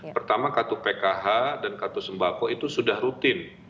pertama kartu pkh dan kartu sembako itu sudah rutin